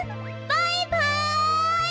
バイバイ！